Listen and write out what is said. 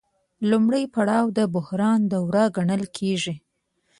لومړی پړاو د بحران دوره ګڼل کېږي